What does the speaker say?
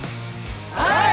はい！